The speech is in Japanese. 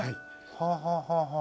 はあはあはあはあ。